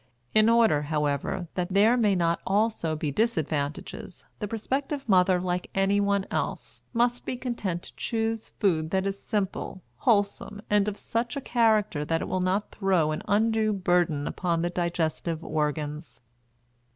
In order, however, that there may not also be disadvantages, the prospective mother, like anyone else, must be content to choose food that is simple, wholesome, and of such a character that it will not throw an undue burden upon the digestive organs.